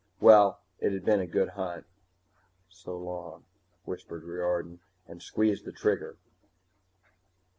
Well, it had been a good hunt. "So long," whispered Riordan, and squeezed the trigger.